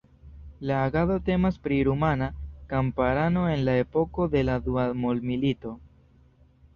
La agado temas pri rumana kamparano en la epoko de la Dua Mondmilito.